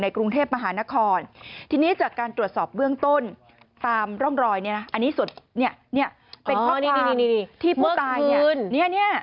กรุงเทพมหานครทีนี้จากการตรวจสอบเบื้องต้นตามร่องรอยเนี่ยนะอันนี้สุดเนี่ยเป็นภาพนี้ที่ผู้ตายเนี่ย